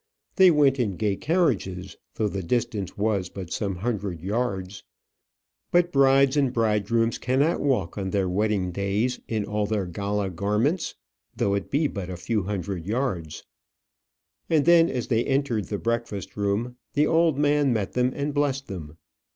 They went in gay carriages, though the distance was but some hundred yards. But brides and bridegrooms cannot walk on their wedding days in all their gala garments, though it be but a few hundred yards. And then, as they entered the breakfast room, the old man met them, and blessed them.